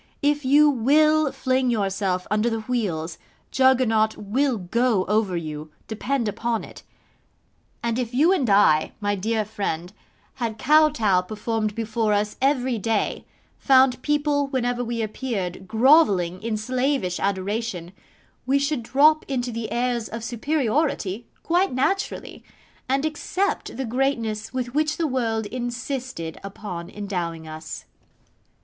If you WILL fling yourself under the wheels, Juggernaut will go over you, depend upon it; and if you and I, my dear friend, had Kotow performed before us every day, found people whenever we appeared grovelling in slavish adoration, we should drop into the airs of superiority quite naturally, and accept the greatness with which the world insisted upon endowing us.